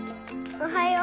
おはよう。